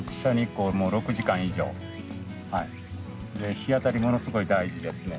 日当たりものすごい大事ですね。